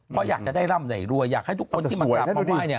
เพราะอยากจะได้ล่ำใหนรัวอยากให้ทุกคนที่มากลับมาไหว้